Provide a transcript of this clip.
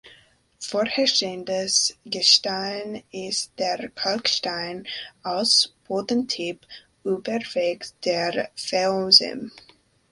Vorherrschendes Gestein ist der Kalkstein, als Bodentyp überwiegt der Phaeozem.